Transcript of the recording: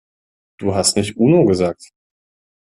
Du hast nicht Uno gesagt.